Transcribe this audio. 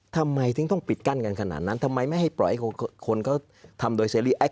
ทำไมถึงต้องปิดกั้นกันขนาดนั้นทำไมไม่ให้ปล่อยให้คนเขาทำโดยเซรี่